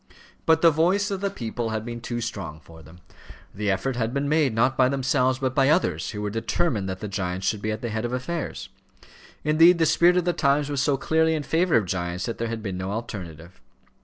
But the voice of the people had been too strong for them; the effort had been made, not by themselves, but by others, who were determined that the giants should be at the head of affairs. Indeed, the spirit of the times was so clearly in favour of giants that there had been no alternative.